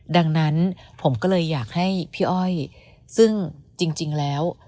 ดังนั้นผมก็เลยอยากให้พี่อ้อยซึ่งจริงแล้ว